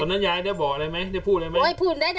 ยายได้บอกอะไรไหมได้พูดอะไรไหม